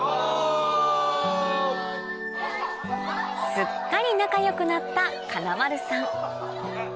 すっかり仲良くなった金丸さん